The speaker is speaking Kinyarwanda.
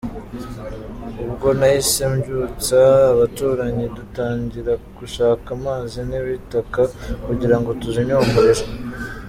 Ubwo nahise mbyutsa abaturanyi dutangira gushaka amazi n’ibitaka kugira ngo tuzimye uwo muriro”.